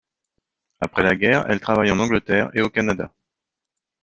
Après la guerre, elle travaille en Angleterre et au Canada.